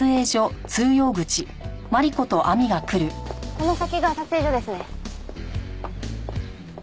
この先が撮影所ですね。